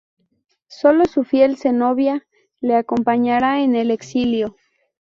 Sólo su fiel Zenobia le acompañará en el exilio.